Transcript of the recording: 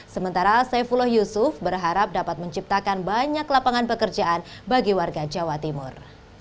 sementara saifullah yusuf berharap dapat menciptakan banyak lapangan pekerjaan bagi warga jawa timur